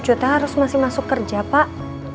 cu aku harus masih masuk kerja pak